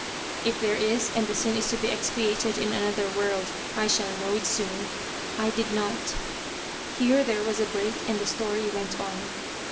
If there is, and the sin is to be expiated in another world, I shall know it soon. I did not " Here there was a break, and the story went on.